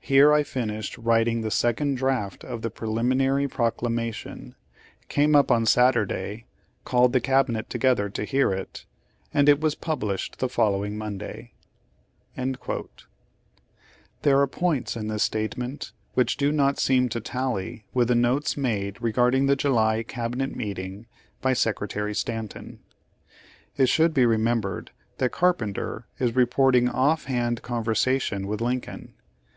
Here I finished writing the second draft of the preliminary proclamation; came up on Saturday; called the Cabinet together to hear it, and it was published the following Monday."^ There are points in this statement which do no% seem to tally with the notes made regarding the July cabinet meeting by Secretary Stanton. It should be remembered that Carpenter is reporting off hand conversation with Lincoln.